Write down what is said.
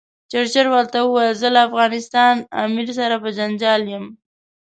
چرچل ورته وویل زه له افغانستان امیر سره په جنجال یم.